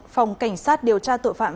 phòng cảnh sát điều tra tội phạm